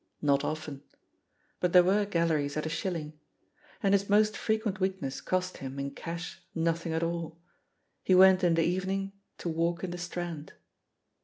Not often. But there were gal leries at a shilling. And his most frequent weak ness cost him, in cash, nothing at all. He went in the evening to walk in the Strand.